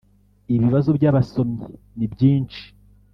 Ibibazo by abasomyi ni byinshi